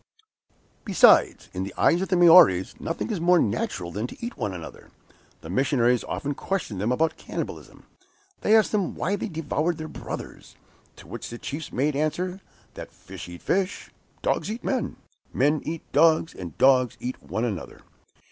Besides, in the eyes of the Maories, nothing is more natural than to eat one another. The missionaries often questioned them about cannibalism. They asked them why they devoured their brothers; to which the chiefs made answer that fish eat fish, dogs eat men, men eat dogs, and dogs eat one another.